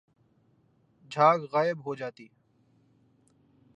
جھاگ غائب ہو جاتی